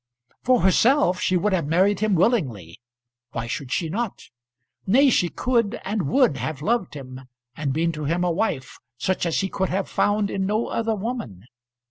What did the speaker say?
For herself, she would have married him willingly. Why should she not? Nay, she could and would have loved him, and been to him a wife, such as he could have found in no other woman.